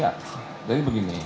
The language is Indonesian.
ya jadi begini